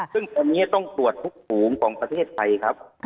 ซึ่งตรงนี้ต้องตรวจทุกฝูงของประเทศไทยครับ